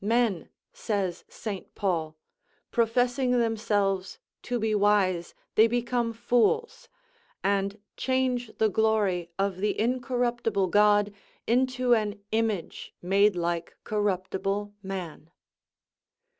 "Men," says St. Paul, "professing themselves to be wise, they become fools; and change the glory of the uncorruptible God into an image made like corruptible man."